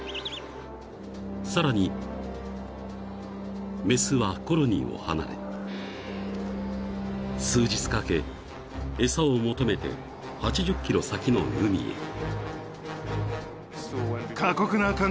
［さらに雌はコロニーを離れ数日かけ餌を求めて８０ｋｍ先の海へ］